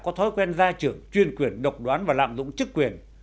có thói quen gia trưởng chuyên quyền độc đoán và lạm dụng chức quyền